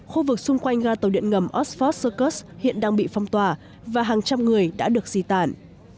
khu vực xung quanh ga tàu điện ngầm oxford sơcus hiện đang bị phong tỏa và hàng trăm người đã được di tản